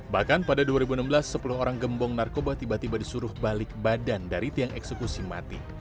bahkan pada dua ribu enam belas sepuluh orang gembong narkoba tiba tiba disuruh balik badan dari tiang eksekusi mati